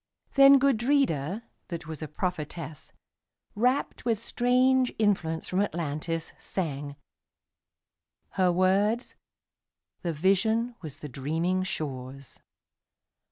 Then Gudrida, that was a prophetess, Rapt with strange influence from Atlantis, sang:Her words: the vision was the dreaming shore's.